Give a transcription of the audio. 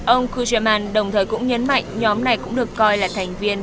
ông kujiman đồng thời cũng nhấn mạnh nhóm này cũng được coi là thành viên